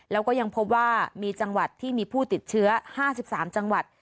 แล้วก็ยังพบว่ามีจังหวัดที่มีผู้ติดเชื้อ๕๓จังหวัด